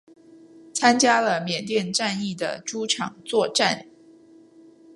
参加了缅甸战役的诸场作战。